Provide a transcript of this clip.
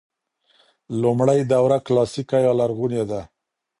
لومړۍ دوره کلاسیکه یا لرغونې ده.